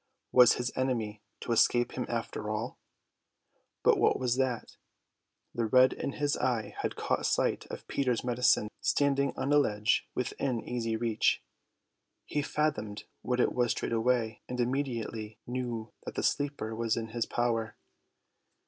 Was his enemy to escape him after all? But what was that? The red in his eye had caught sight of Peter's medicine standing on a ledge within easy reach. He fathomed what it was straightaway, and immediately knew that the sleeper was in his power.